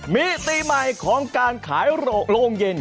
มิติใหม่ของการขายโรงเย็น